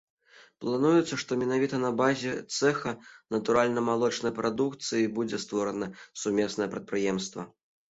Плануецца, што менавіта на базе цэха натуральнамалочнай прадукцыі і будзе створана сумеснае прадпрыемства.